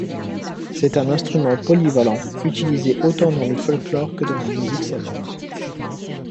C'est un instrument polyvalent utilisé autant dans le folklore que dans la musique savante.